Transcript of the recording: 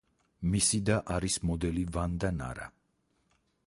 მისი და არის მოდელი ვანდა ნარა.